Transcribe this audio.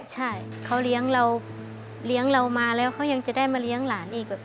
ใช่เขาเลี้ยงเราเลี้ยงเรามาแล้วเขายังจะได้มาเลี้ยงหลานอีก